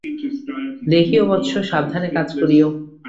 দেখিয়ো বৎস, সাবধানে কাজ করিয়ো।